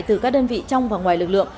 từ các đơn vị trong và ngoài lực lượng